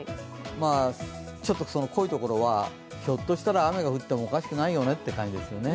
ちょっと、濃いところはひょっとしたら雨が降ってもおかしくないよねって感じですね